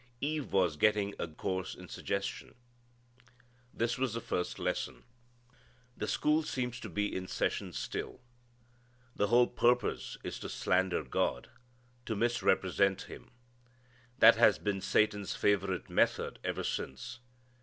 Eve was getting a course in suggestion. This was the first lesson. The school seems to be in session still. The whole purpose is to slander God, to misrepresent Him. That has been Satan's favorite method ever since.